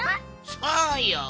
そうよ！